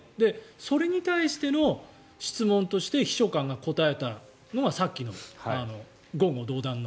それに対しての質問として秘書官が答えたのがさっきの言語道断の。